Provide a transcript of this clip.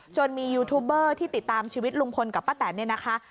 ยูทูบเบอร์ที่ติดตามชีวิตลุงพลกับป้าแตนเนี่ยนะคะ